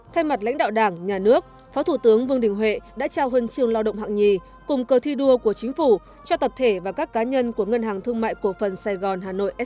thay mặt lãnh đạo đảng nhà nước phó thủ tướng vương đình huệ đã trao huân trường lao động hạng nhì cùng cơ thi đua của chính phủ cho tập thể và các cá nhân của ngân hàng thương mại cổ phần sài gòn hà nội star